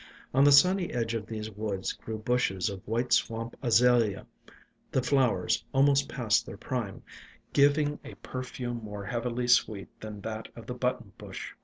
On the sunny edge of these woods grew bushes of white Swamp Azalea, the flowers, almost past their prime, giving a perfume more heavily sweet than that of the Button bush.